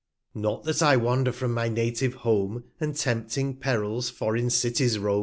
Not that I wander from my native Home, And tempting Perils foreign Cities roam.